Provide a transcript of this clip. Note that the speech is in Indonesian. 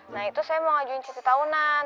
nah itu saya mau ngajuin cuti tahunan